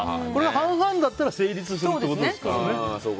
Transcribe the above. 半々だったら成立するってことですからね。